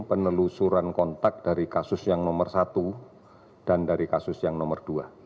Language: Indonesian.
penelusuran kontak dari kasus yang nomor satu dan dari kasus yang nomor dua